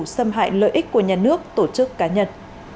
xâm hại lợi ích của nhà nước tổ chức cá nhân